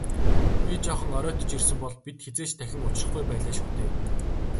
Би жаахан оройтож ирсэн бол бид хэзээ ч дахин учрахгүй байлаа шүү дээ.